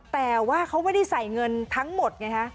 แต่ว่าเขาไม่ได้ใส่เงินทั้งหมดไงฮะ